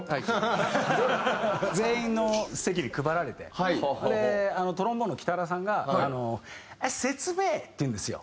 全員の席に配られてそれでトロンボーンの北原さんが「説明っ！！」って言うんですよ。